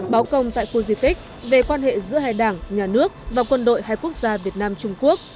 báo công tại khu di tích về quan hệ giữa hai đảng nhà nước và quân đội hai quốc gia việt nam trung quốc